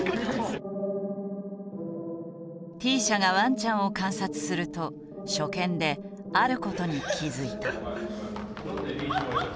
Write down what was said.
Ｔ社がワンちゃんを観察すると初見であることに気付いた。